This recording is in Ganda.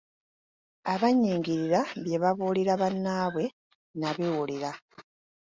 Abannyingirira bye babuulira bannaabwe nnabiwulira.